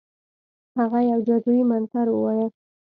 هغه یو جادویي منتر ووایه.